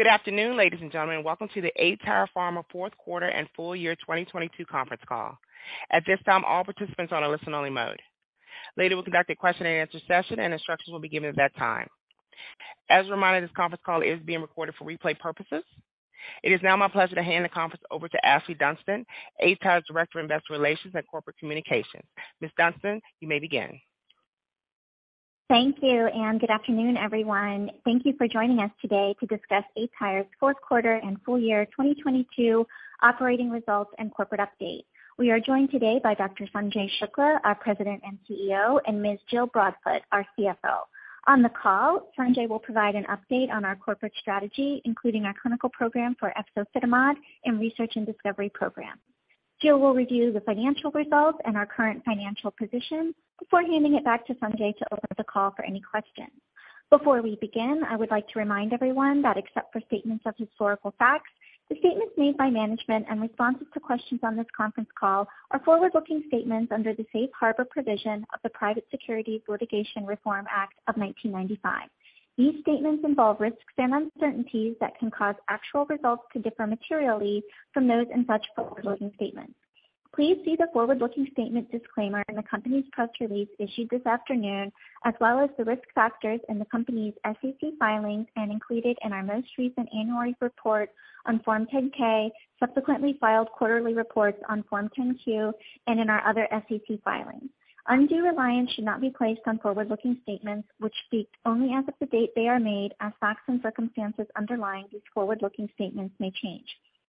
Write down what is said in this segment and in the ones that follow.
Good afternoon, ladies and gentlemen. Welcome to the aTyr Pharma Fourth Quarter and Full Year 2022 Conference Call. At this time, all participants are on a listen only mode. Later, we'll conduct a question and answer session and instructions will be given at that time. As a reminder, this conference call is being recorded for replay purposes. It is now my pleasure to hand the conference over to Ashlee Dunston, aTyr's Director, Investor Relations and Corporate Communications. Ms. Dunston, you may begin. Thank you, good afternoon, everyone. Thank you for joining us today to discuss aTyr's Fourth Quarter and Full Year 2022 Operating Results and Corporate Update. We are joined today by Dr. Sanjay Shukla, our President and CEO, and Ms. Jill Broadfoot, our CFO. On the call, Sanjay will provide an update on our corporate strategy, including our clinical program for efzofitimod and research and discovery program. Jill will review the financial results and our current financial position before handing it back to Sanjay to open the call for any questions. Before we begin, I would like to remind everyone that except for statements of historical facts, the statements made by management and responses to questions on this conference call are forward-looking statements under the Safe Harbor provision of the Private Securities Litigation Reform Act of 1995. These statements involve risks and uncertainties that can cause actual results to differ materially from those in such forward-looking statements. Please see the forward-looking statements disclaimer in the company's press release issued this afternoon, as well as the risk factors in the company's SEC filings and included in our most recent annual report on Form 10-K, subsequently filed quarterly reports on Form 10-Q, and in our other SEC filings. Undue reliance should not be placed on forward-looking statements which speak only as of the date they are made as facts and circumstances underlying these forward-looking statements may change.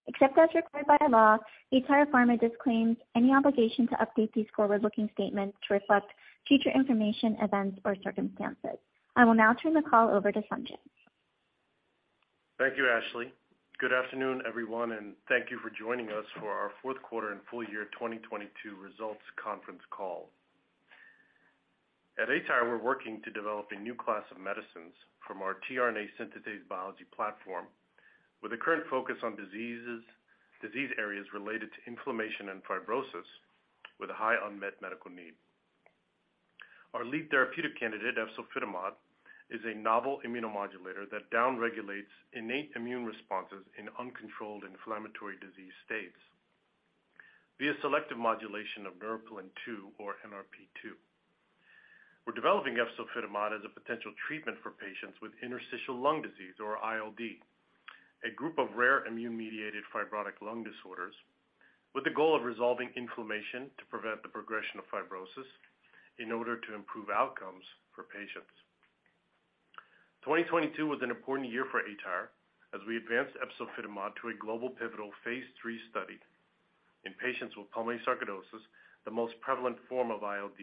Except as required by law, aTyr Pharma disclaims any obligation to update these forward-looking statements to reflect future information, events or circumstances. I will now turn the call over to Sanjay. Thank you, Ashlee. Good afternoon, everyone, thank you for joining us for our Fourth Quarter and Full Year 2022 Results Conference Call. At aTyr, we're working to develop a new class of medicines from our tRNA synthetase biology platform with a current focus on disease areas related to inflammation and fibrosis with a high unmet medical need. Our lead therapeutic candidate, efzofitimod, is a novel immunomodulator that down-regulates innate immune responses in uncontrolled inflammatory disease states via selective modulation of neuropilin-2 or NRP2. We're developing efzofitimod as a potential treatment for patients with interstitial lung disease or ILD, a group of rare immune-mediated fibrotic lung disorders with the goal of resolving inflammation to prevent the progression of fibrosis in order to improve outcomes for patients. 2022 was an important year for aTyr as we advanced efzofitimod to a global pivotal phase III study in patients with pulmonary sarcoidosis, the most prevalent form of ILD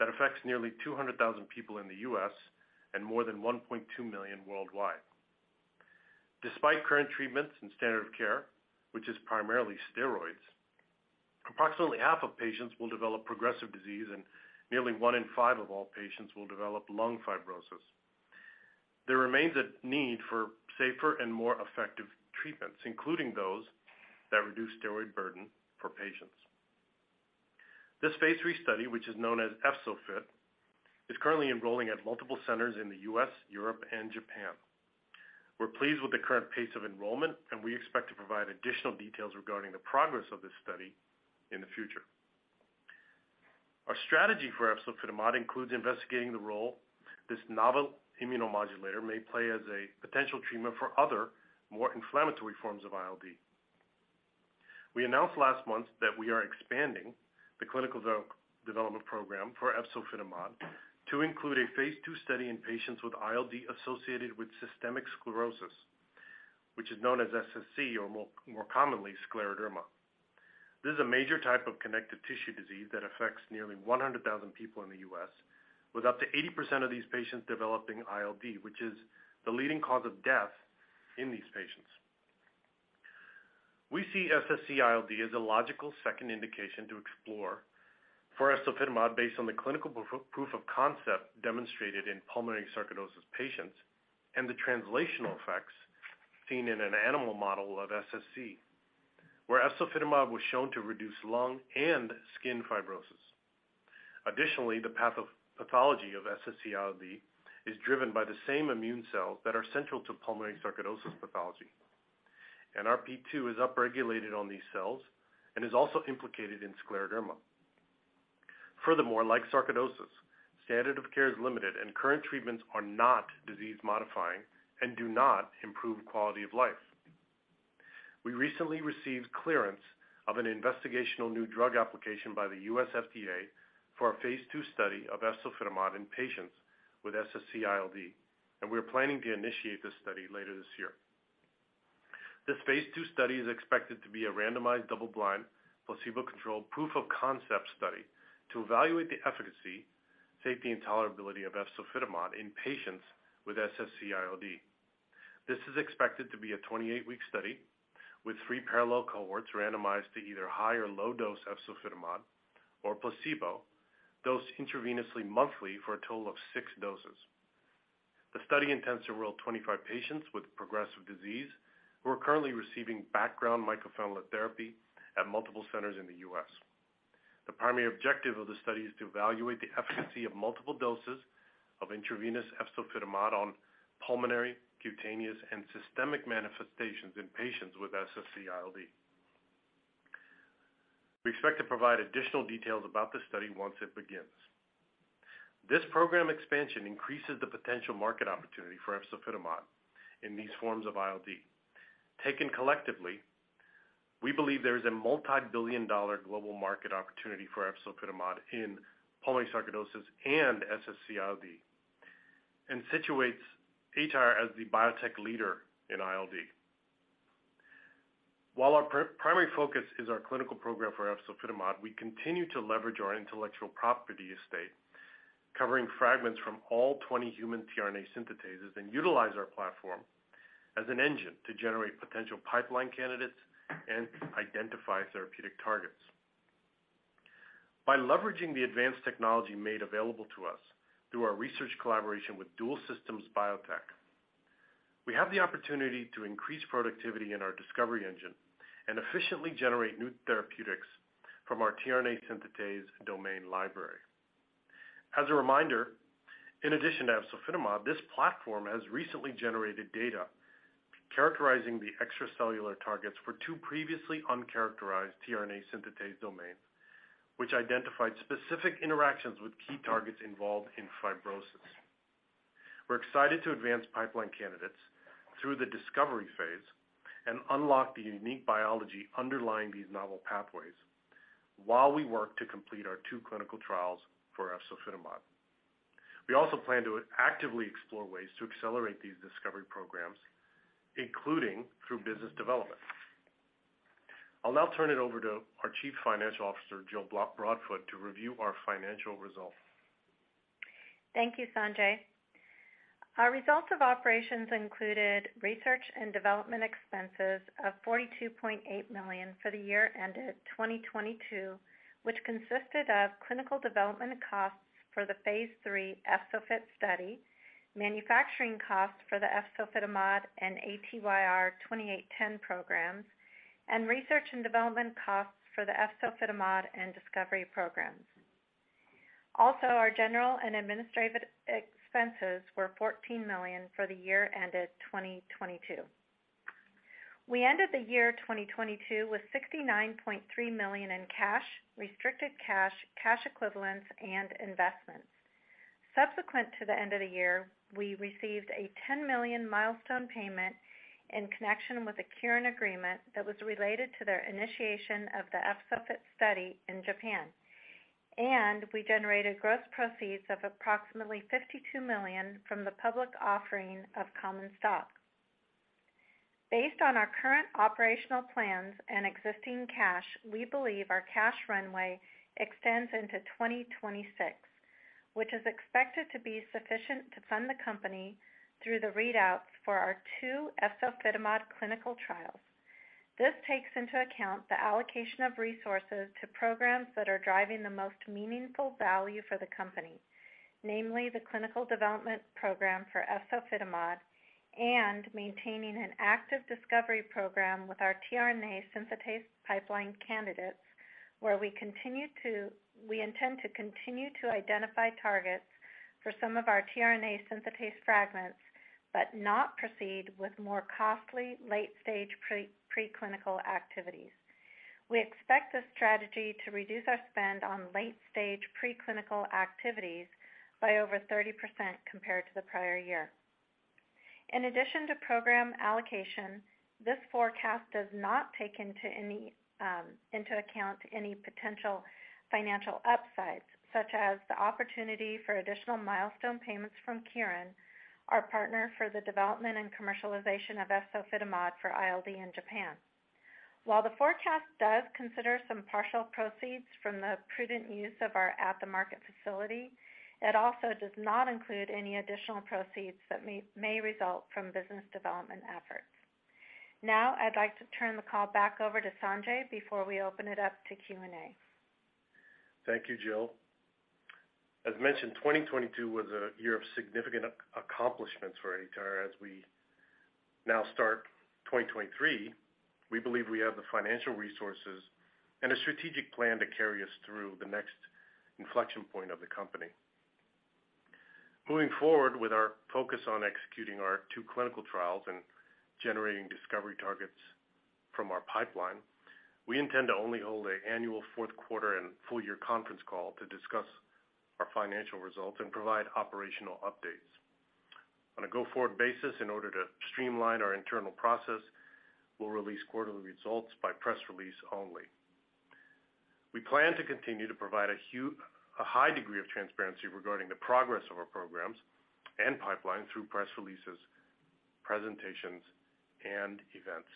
that affects nearly 200,000 people in the U.S. and more than 1.2 million worldwide. Despite current treatments and standard of care, which is primarily steroids, approximately half of patients will develop progressive disease and nearly one in five of all patients will develop lung fibrosis. There remains a need for safer and more effective treatments, including those that reduce steroid burden for patients. This phase III study, which is known as EFZO-FIT, is currently enrolling at multiple centers in the U.S., Europe and Japan. We're pleased with the current pace of enrollment, and we expect to provide additional details regarding the progress of this study in the future. Our strategy for efzofitimod includes investigating the role this novel immunomodulator may play as a potential treatment for other more inflammatory forms of ILD. We announced last month that we are expanding the clinical development program for efzofitimod to include a phase II study in patients with ILD associated with systemic sclerosis, which is known as SSc or more commonly scleroderma. This is a major type of connective tissue disease that affects nearly 100,000 people in the U.S., with up to 80% of these patients developing ILD, which is the leading cause of death in these patients. We see SSc-ILD as a logical second indication to explore for efzofitimod based on the clinical proof of concept demonstrated in pulmonary sarcoidosis patients and the translational effects seen in an animal model of SSc, where efzofitimod was shown to reduce lung and skin fibrosis. The path of pathology of SSc-ILD is driven by the same immune cells that are central to pulmonary sarcoidosis pathology. NRP2 is upregulated on these cells and is also implicated in scleroderma. Like sarcoidosis, standard of care is limited and current treatments are not disease-modifying and do not improve quality of life. We recently received clearance of an investigational new drug application by the U.S. FDA for a phase II study of efzofitimod in patients with SSc-ILD, and we are planning to initiate this study later this year. This phase II study is expected to be a randomized, double-blind, placebo-controlled proof of concept study to evaluate the efficacy, safety and tolerability of efzofitimod in patients with SSc-ILD. This is expected to be a 28-week study with three parallel cohorts randomized to either high or low dose efzofitimod or placebo, dosed intravenously monthly for a total of six doses. The study intends to enroll 25 patients with progressive disease who are currently receiving background mycophenolate therapy at multiple centers in the U.S. The primary objective of the study is to evaluate the efficacy of multiple doses of intravenous efzofitimod on pulmonary, cutaneous, and systemic manifestations in patients with SSc-ILD. We expect to provide additional details about the study once it begins. This program expansion increases the potential market opportunity for efzofitimod in these forms of ILD. Taken collectively, we believe there is a multibillion-dollar global market opportunity for efzofitimod in pulmonary sarcoidosis and SSc-ILD, and situates aTyr as the biotech leader in ILD. While our primary focus is our clinical program for efzofitimod, we continue to leverage our intellectual property estate, covering fragments from all 20 human tRNA synthetases, and utilize our platform as an engine to generate potential pipeline candidates and identify therapeutic targets. By leveraging the advanced technology made available to us through our research collaboration with Dual Systems Biotech, we have the opportunity to increase productivity in our discovery engine and efficiently generate new therapeutics from our tRNA synthetase domain library. As a reminder, in addition to efzofitimod, this platform has recently generated data characterizing the extracellular targets for two previously uncharacterized tRNA synthetase domains, which identified specific interactions with key targets involved in fibrosis. We're excited to advance pipeline candidates through the discovery phase and unlock the unique biology underlying these novel pathways while we work to complete our two clinical trials for efzofitimod. We also plan to actively explore ways to accelerate these discovery programs, including through business development. I'll now turn it over to our Chief Financial Officer, Jill Block Broadfoot, to review our financial results. Thank you, Sanjay. Our results of operations included research and development expenses of $42.8 million for the year ended 2022, which consisted of clinical development costs for the phase III EFZO-FIT study, manufacturing costs for the efzofitimod and ATYR2810 programs, and research and development costs for the efzofitimod and discovery programs. Also, our general and administrative expenses were $14 million for the year ended 2022. We ended the year 2022 with $69.3 million in cash, restricted cash, cash equivalents and investments. Subsequent to the end of the year, we received a $10 million milestone payment in connection with a Kirin agreement that was related to their initiation of the EFZO-FIT study in Japan, and we generated gross proceeds of approximately $52 million from the public offering of common stock. Based on our current operational plans and existing cash, we believe our cash runway extends into 2026, which is expected to be sufficient to fund the company through the readouts for our two efzofitimod clinical trials. This takes into account the allocation of resources to programs that are driving the most meaningful value for the company, namely the clinical development program for efzofitimod and maintaining an active discovery program with our tRNA synthetase pipeline candidates, where we intend to continue to identify targets for some of our tRNA synthetase fragments, but not proceed with more costly late-stage preclinical activities. We expect this strategy to reduce our spend on late-stage preclinical activities by over 30% compared to the prior year. In addition to program allocation, this forecast does not take into account any potential financial upsides, such as the opportunity for additional milestone payments from Kirin, our partner for the development and commercialization of efzofitimod for ILD in Japan. While the forecast does consider some partial proceeds from the prudent use of our at-the-market facility, it also does not include any additional proceeds that may result from business development efforts. I'd like to turn the call back over to Sanjay before we open it up to Q&A. Thank you, Jill. As mentioned, 2022 was a year of significant accomplishments for aTyr. As we now start 2023, we believe we have the financial resources and a strategic plan to carry us through the next inflection point of the company. Moving forward with our focus on executing our two clinical trials and generating discovery targets from our pipeline, we intend to only hold a annual fourth quarter and full year conference call to discuss our financial results and provide operational updates. On a go-forward basis, in order to streamline our internal process, we'll release quarterly results by press release only. We plan to continue to provide a high degree of transparency regarding the progress of our programs and pipeline through press releases, presentations, and events.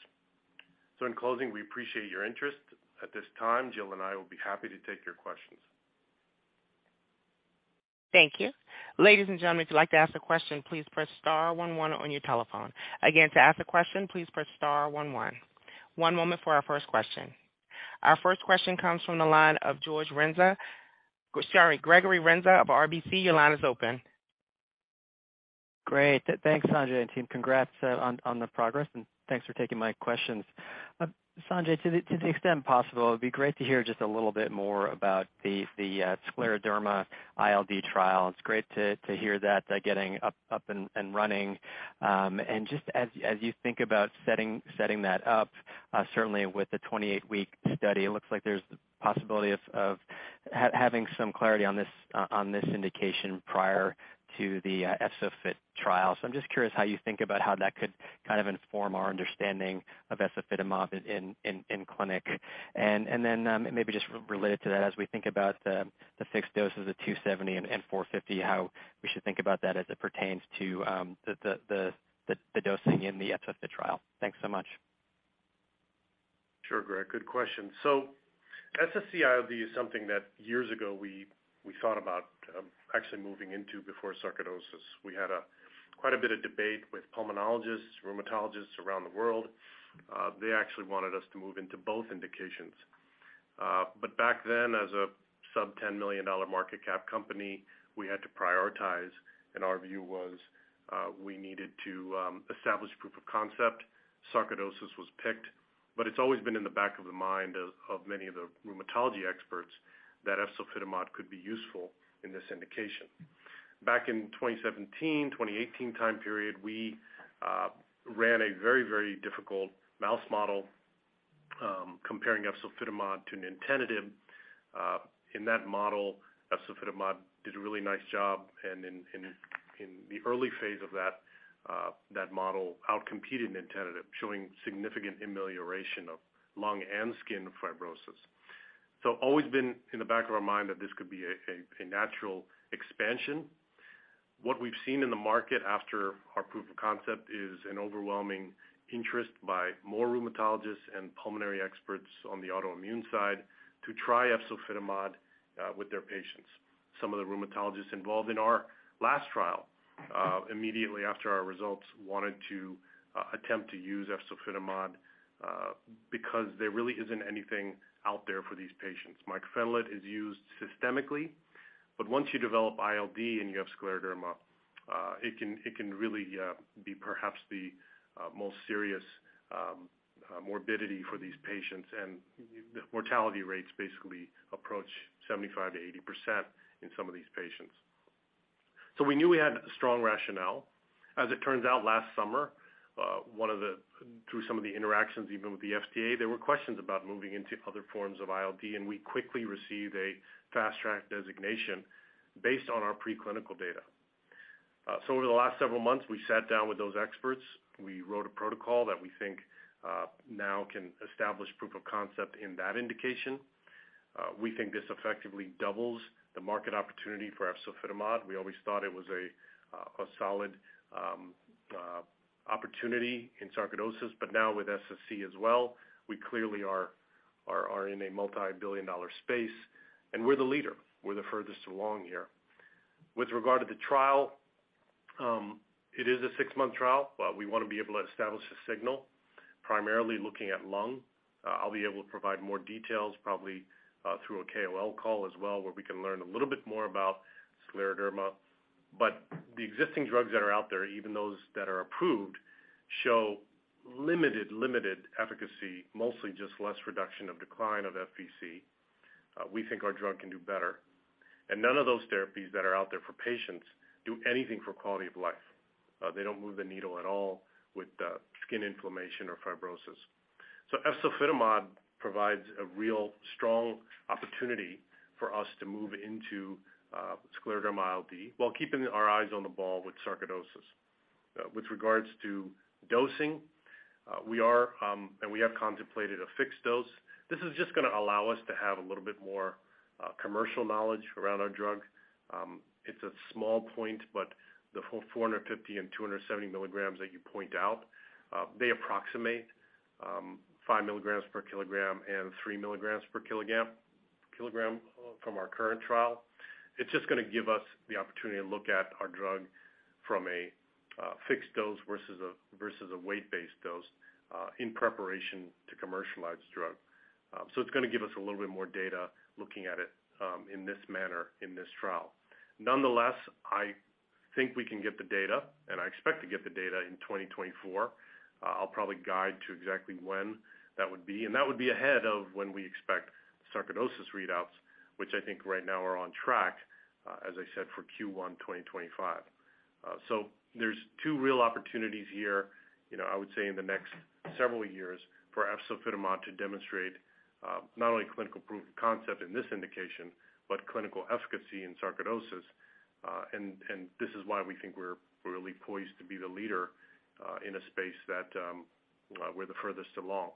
In closing, we appreciate your interest. At this time, Jill and I will be happy to take your questions. Thank you. Ladies and gentlemen, if you'd like to ask a question, please press star one one on your telephone. Again, to ask a question, please press star one one. One moment for our first question. Our first question comes from the line of George Renza. Sorry, Gregory Renza of RBC, your line is open. Great. Thanks, Sanjay and team. Congrats, on the progress and thanks for taking my questions. Sanjay, to the extent possible, it'd be great to hear just a little bit more about the scleroderma ILD trial. It's great to hear that they're getting up and running. Just as you think about setting that up, certainly with the 28-week study, it looks like there's the possibility of having some clarity on this indication prior to the EFZO-FIT trial. I'm just curious how you think about how that could kind of inform our understanding of efzofitimod in clinic. Maybe just related to that as we think about the fixed doses of 270 mg and 450 mg, how we should think about that as it pertains to the dosing in the EFZO-FIT trial. Thanks so much. Sure, Greg. Good question. SSc-ILD is something that years ago we thought about, actually moving into before sarcoidosis. We had a quite a bit of debate with pulmonologists, rheumatologists around the world. They actually wanted us to move into both indications. But back then, as a sub $10 million market cap company, we had to prioritize, and our view was, we needed to establish proof of concept. Sarcoidosis was picked, but it's always been in the back of the mind of many of the rheumatology experts that efzofitimod could be useful in this indication. Back in 2017, 2018 time period, we ran a very, very difficult mouse model, comparing efzofitimod to nintedanib. In that model, efzofitimod did a really nice job, and in the early phase of that model outcompeted nintedanib, showing significant amelioration of lung and skin fibrosis. Always been in the back of our mind that this could be a natural expansion. What we've seen in the market after our proof of concept is an overwhelming interest by more rheumatologists and pulmonary experts on the autoimmune side, to try efzofitimod with their patients. Some of the rheumatologists involved in our last trial, immediately after our results, wanted to attempt to use efzofitimod because there really isn't anything out there for these patients. Mycophenolate is used systemically, but once you develop ILD and you have scleroderma, it can really be perhaps the most serious morbidity for these patients. The mortality rates basically approach 75%-80% in some of these patients. We knew we had strong rationale. As it turns out, last summer, through some of the interactions even with the FDA, there were questions about moving into other forms of ILD. We quickly received a Fast Track designation based on our preclinical data. Over the last several months, we sat down with those experts. We wrote a protocol that we think now can establish proof of concept in that indication. We think this effectively doubles the market opportunity for efzofitimod. We always thought it was a solid opportunity in sarcoidosis. Now with SSc as well, we clearly are in a multi-billion dollar space. We're the leader. We're the furthest along here. With regard to the trial, it is a six-month trial, we wanna be able to establish a signal primarily looking at lung. I'll be able to provide more details probably through a KOL call as well, where we can learn a little bit more about scleroderma. The existing drugs that are out there, even those that are approved, show limited efficacy, mostly just less reduction of decline of FVC. We think our drug can do better. None of those therapies that are out there for patients do anything for quality of life. They don't move the needle at all with skin inflammation or fibrosis. Efzofitimod provides a real strong opportunity for us to move into scleroderma ILD while keeping our eyes on the ball with pulmonary sarcoidosis. With regards to dosing, we are, and we have contemplated a fixed dose. This is just gonna allow us to have a little bit more commercial knowledge around our drug. It's a small point, but the whole 450 mg and 270 mg that you point out, they approximate 5 mg/kg and 3 mg/kg from our current trial. It's just gonna give us the opportunity to look at our drug from a fixed dose versus a weight-based dose in preparation to commercialize the drug. It's gonna give us a little bit more data looking at it in this manner in this trial. Nonetheless, I think we can get the data, and I expect to get the data in 2024. I'll probably guide to exactly when that would be, and that would be ahead of when we expect sarcoidosis readouts, which I think right now are on track, as I said, for Q1 2025. There's two real opportunities here, you know, I would say in the next several years for efzofitimod to demonstrate, not only clinical proof of concept in this indication, but clinical efficacy in sarcoidosis. This is why we think we're really poised to be the leader in a space that we're the furthest along.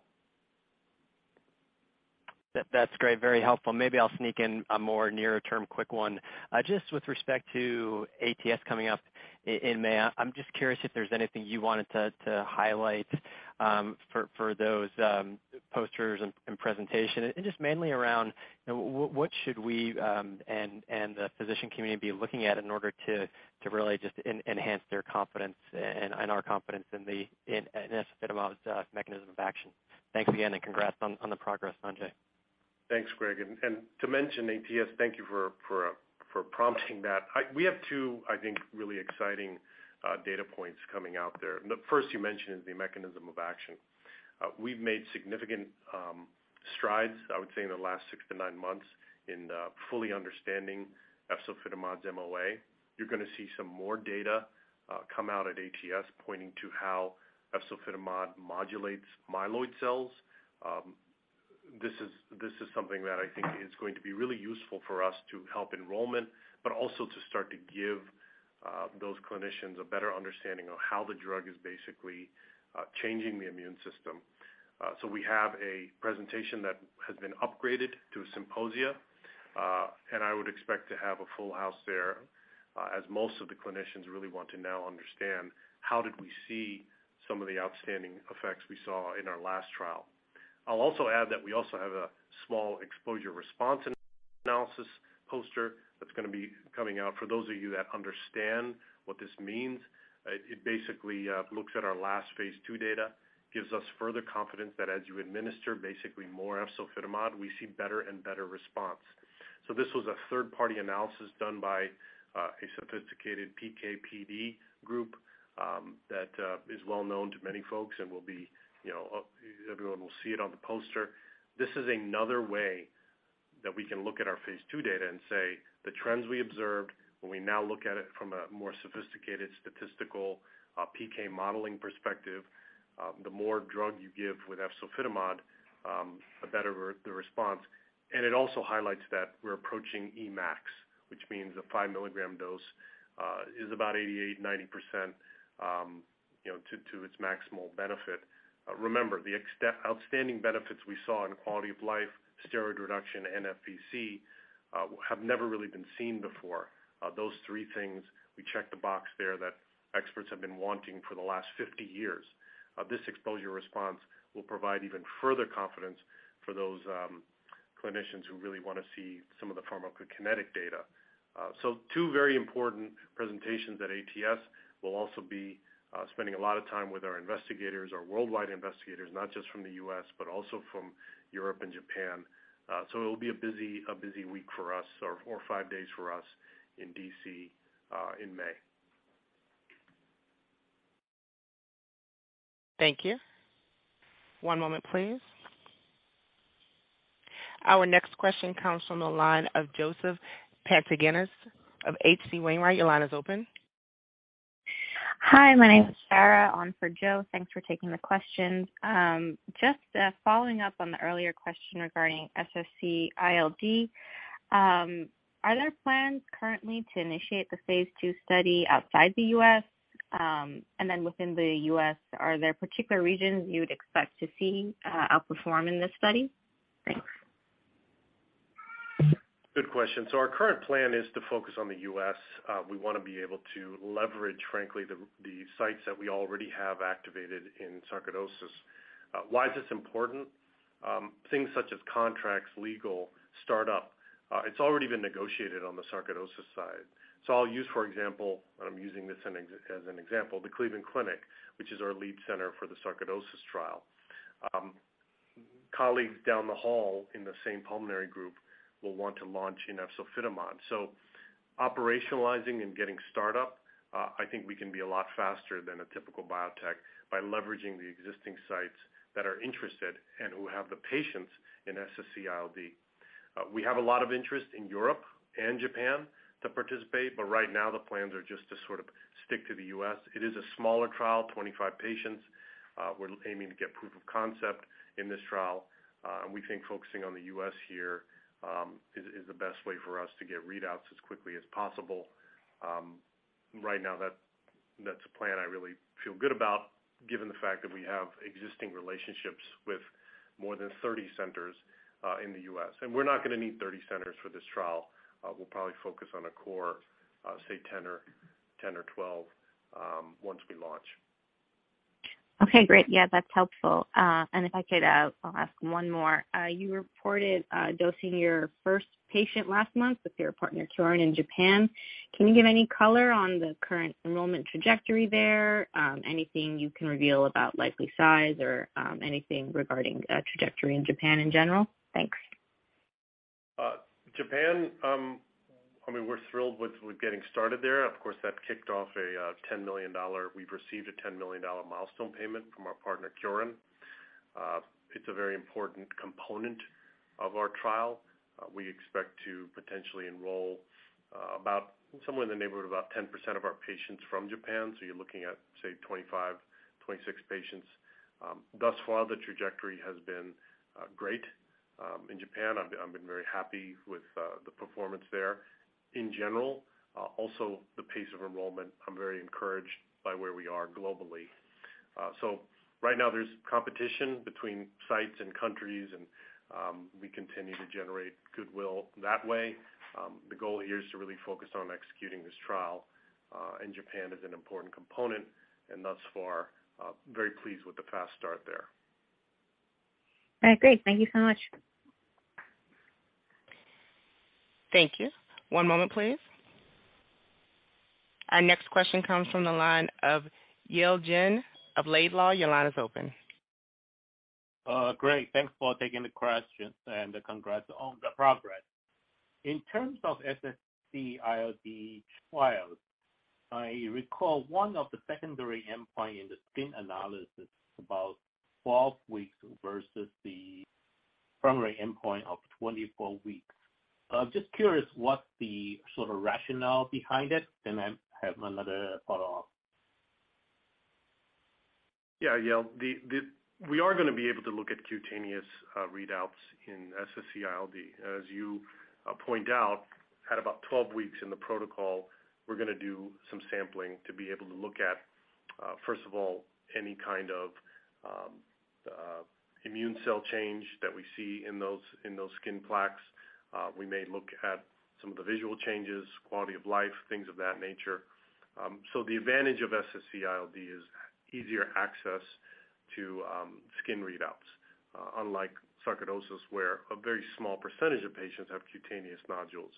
That's great. Very helpful. Maybe I'll sneak in a more nearer term quick one. Just with respect to ATS coming up in May, I'm just curious if there's anything you wanted to highlight for those posters and presentation. Just mainly around, you know, what should we and the physician community be looking at in order to really just enhance their confidence and our confidence in efzofitimod's mechanism of action. Thanks again and congrats on the progress, Sanjay. Thanks, Greg. To mention ATS, thank you for prompting that. We have two, I think, really exciting data points coming out there. The first you mentioned is the mechanism of action. We've made significant strides, I would say, in the last six to nine months in fully understanding efzofitimod's MOA. You're gonna see some more data come out at ATS pointing to how efzofitimod modulates myeloid cells. This is something that I think is going to be really useful for us to help enrollment, but also to start to give those clinicians a better understanding of how the drug is basically changing the immune system. We have a presentation that has been upgraded to a symposia, and I would expect to have a full house there, as most of the clinicians really want to now understand how did we see some of the outstanding effects we saw in our last trial. I'll also add that we also have a small exposure-response analysis poster that's gonna be coming out. For those of you that understand what this means, it basically looks at our last phase II data, gives us further confidence that as you administer basically more efzofitimod, we see better and better response. This was a third-party analysis done by a sophisticated PKPD group that is well known to many folks and will be, you know, everyone will see it on the poster. This is another way that we can look at our phase II data and say the trends we observed when we now look at it from a more sophisticated statistical PK modeling perspective, the more drug you give with efzofitimod, the better the response. It also highlights that we're approaching Emax, which means a 5-mg dose is about 88%, 90% to its maximal benefit. Remember, the outstanding benefits we saw in quality of life, steroid reduction, NFPC have never really been seen before. Those three things, we checked the box there that experts have been wanting for the last 50 years. This exposure-response will provide even further confidence for those clinicians who really want to see some of the pharmacokinetic data. So two very important presentations at ATS. We'll also be spending a lot of time with our investigators, our worldwide investigators, not just from the U.S., but also from Europe and Japan. It'll be a busy, a busy week for us or four or five days for us in D.C., in May. Thank you. One moment please. Our next question comes from the line of Joseph Pantginis of H.C. Wainwright. Your line is open. Hi, my name is Sarah on for Joe. Thanks for taking the questions. Just following up on the earlier question regarding SSc-ILD, are there plans currently to initiate the phase II study outside the U.S.? Within the U.S., are there particular regions you'd expect to see outperform in this study? Thanks. Good question. Our current plan is to focus on the U.S. We wanna be able to leverage, frankly, the sites that we already have activated in sarcoidosis. Why is this important? Things such as contracts, legal, start up, it's already been negotiated on the sarcoidosis side. I'll use, for example, and I'm using this as an example, the Cleveland Clinic, which is our lead center for the sarcoidosis trial. Colleagues down the hall in the same pulmonary group will want to launch in efzofitimod. Operationalizing and getting start up, I think we can be a lot faster than a typical biotech by leveraging the existing sites that are interested and who have the patients in SSc-ILD. We have a lot of interest in Europe and Japan to participate, but right now the plans are just to sort of stick to the U.S. It is a smaller trial, 25 patients. We're aiming to get proof of concept in this trial. We think focusing on the U.S. here, is the best way for us to get readouts as quickly as possible. Right now, that's a plan I really feel good about given the fact that we have existing relationships with more than 30 centers in the U.S. We're not gonna need 30 centers for this trial. We'll probably focus on a core, say 10 or 12, once we launch. Okay, great. Yeah, that's helpful. If I could, I'll ask one more. You reported dosing your first patient last month with your partner Kyorin in Japan. Can you give any color on the current enrollment trajectory there? Anything you can reveal about likely size or anything regarding trajectory in Japan in general? Thanks. Japan, we're thrilled with getting started there. Of course, we've received a $10 million milestone payment from our partner, Kyorin. It's a very important component of our trial. We expect to potentially enroll about somewhere in the neighborhood of about 10% of our patients from Japan. You're looking at, say, 25, 26 patients. Thus far, the trajectory has been great in Japan. I've been very happy with the performance there. In general, also the pace of enrollment, I'm very encouraged by where we are globally. Right now there's competition between sites and countries, and we continue to generate goodwill that way. The goal here is to really focus on executing this trial. Japan is an important component and thus far, very pleased with the fast start there. Great. Thank you so much. Thank you. One moment please. Our next question comes from the line of Yale Jen of Laidlaw. Your line is open. Great. Thanks for taking the question and congrats on the progress. In terms of SSc-ILD trials, I recall one of the secondary endpoint in the skin analysis about 12 weeks versus the primary endpoint of 24 weeks. I'm just curious what the sort of rationale behind it, and I have another follow-up. Yeah. Yale, we are going to be able to look at cutaneous readouts in SSc-ILD. As you point out, at about 12 weeks in the protocol, we are going to do some sampling to be able to look at, first of all, any kind of immune cell change that we see in those skin plaques. We may look at some of the visual changes, quality of life, things of that nature. The advantage of SSc-ILD is easier access to skin readouts. Unlike sarcoidosis, where a very small percentage of patients have cutaneous nodules.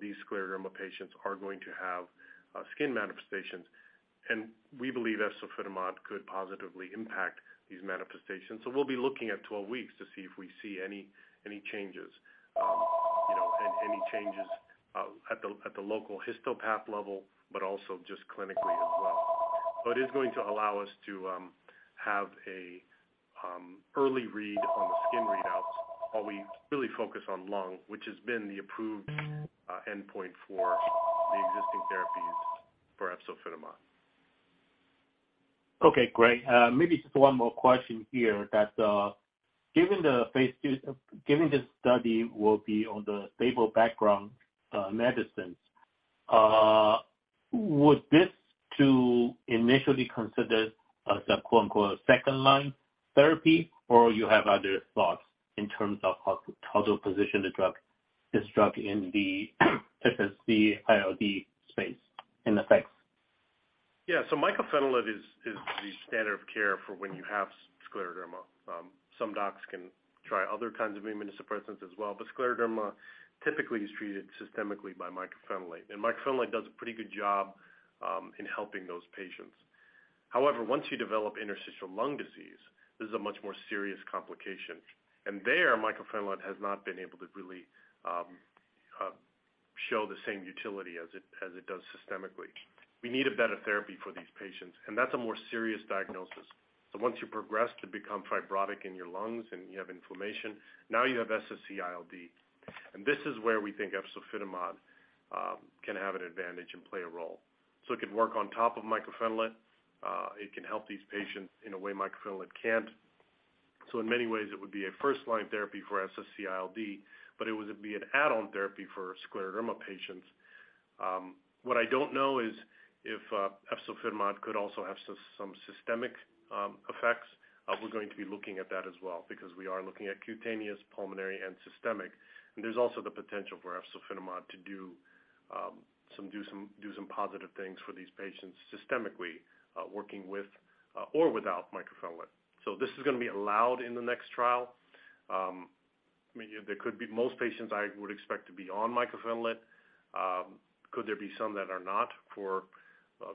These scleroderma patients are going to have skin manifestations, and we believe efzofitimod could positively impact these manifestations. We'll be looking at 12 weeks to see if we see any changes, you know, any changes at the local histopath level, but also just clinically as well. It's going to allow us to have an early read on the skin readouts while we really focus on lung, which has been the approved endpoint for the existing therapies for efzofitimod. Okay, great. Maybe just one more question here that, given the study will be on the stable background medicines, would this to initially consider as a quote-unquote, second-line therapy or you have other thoughts in terms of how to position this drug in the SSc-ILD space in the phase? Yeah. Mycophenolate is the standard of care for when you have scleroderma. Some docs can try other kinds of immunosuppressants as well, but scleroderma typically is treated systemically by mycophenolate. Mycophenolate does a pretty good job in helping those patients. However, once you develop interstitial lung disease, this is a much more serious complication. There, mycophenolate has not been able to really show the same utility as it, as it does systemically. We need a better therapy for these patients, and that's a more serious diagnosis. Once you progress to become fibrotic in your lungs and you have inflammation, now you have SSc-ILD. This is where we think efzofitimod can have an advantage and play a role. It could work on top of mycophenolate, it can help these patients in a way mycophenolate can't. In many ways, it would be a first-line therapy for SSc-ILD, but it would be an add-on therapy for scleroderma patients. What I don't know is if efzofitimod could also have some systemic effects. We're going to be looking at that as well because we are looking at cutaneous, pulmonary, and systemic. There's also the potential for efzofitimod to do some positive things for these patients systemically, working with or without mycophenolate. This is gonna be allowed in the next trial. I mean, there could be most patients I would expect to be on mycophenolate. Could there be some that are not for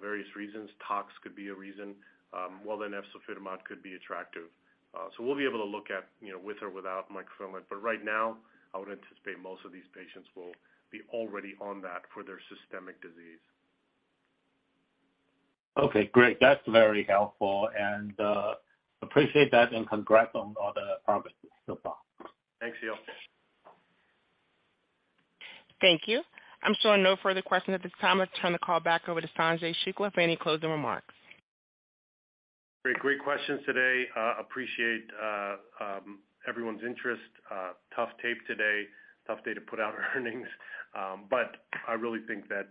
various reasons? Tox could be a reason, well, then efzofitimod could be attractive. We'll be able to look at, you know, with or without mycophenolate. Right now, I would anticipate most of these patients will be already on that for their systemic disease. Okay, great. That's very helpful. Appreciate that and congrats on all the progress so far. Thanks, Yael. Thank you. I'm showing no further questions at this time. Let's turn the call back over to Sanjay Shukla for any closing remarks. Great, great questions today. Appreciate everyone's interest. Tough tape today, tough day to put out earnings. I really think that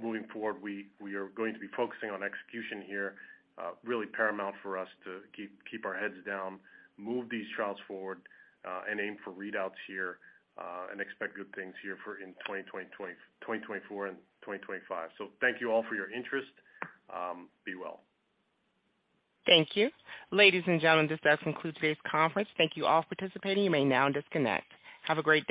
moving forward, we are going to be focusing on execution here, really paramount for us to keep our heads down, move these trials forward, and aim for readouts here, and expect good things here in 2024 and 2025. Thank you all for your interest. Be well. Thank you. Ladies and gentlemen, this does conclude today's conference. Thank you all for participating. You may now disconnect. Have a great day.